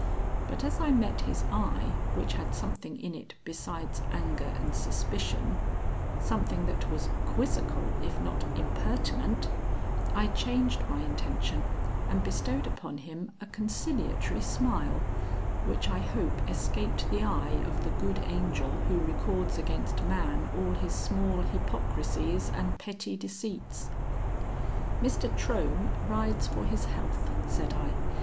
But as I met his eye, which had something in it besides anger and suspicion something that was quizzical if not impertinent I changed my intention and bestowed upon him a conciliatory smile, which I hope escaped the eye of the good angel who records against man all his small hypocrisies and petty deceits. "Mr. Trohm rides for his health," said I.